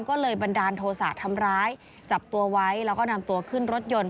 ก็เลยบันดาลโทษะทำร้ายจับตัวไว้แล้วก็นำตัวขึ้นรถยนต์